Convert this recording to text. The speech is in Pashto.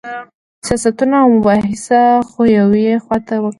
سیاستونه او مباحث خو یوې خوا ته کړه.